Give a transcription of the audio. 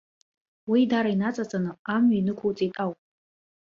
Уеидара инаҵаҵаны амҩа инықәуҵеит ауп.